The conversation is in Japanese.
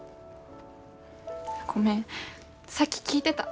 ごめんさっき聞いてた。